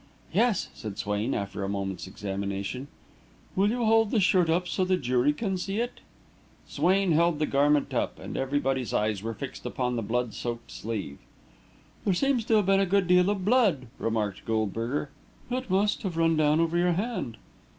"Yes," said Swain, after a moment's examination. "Will you hold the shirt up so the jury can see it?" Swain held the garment up, and everybody's eyes were fixed upon the blood soaked sleeve. "There seems to have been a good deal of blood," remarked Goldberger. "It must have run down over your hand."